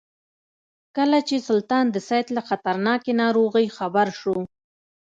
کله چې سلطان د سید له خطرناکې ناروغۍ خبر شو.